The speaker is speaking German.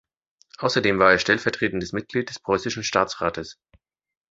Außerdem war er stellvertretendes Mitglied des Preußischen Staatsrates.